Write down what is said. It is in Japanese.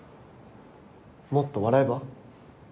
もっと笑えば？